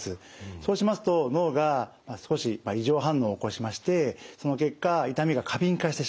そうしますと脳が少し異常反応を起こしましてその結果痛みが過敏化してしまう。